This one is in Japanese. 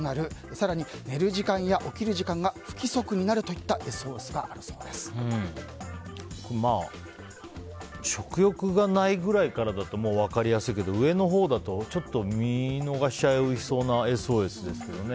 更に寝る時間や起きる時間が不規則になるといった食欲がないぐらいからだともう分かりやすいけど上のほうだとちょっと見逃しちゃいそうなＳＯＳですけどね。